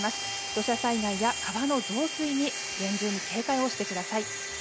土砂災害や川の増水に厳重に警戒をしてください。